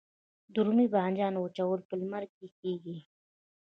د رومي بانجان وچول په لمر کې کیږي؟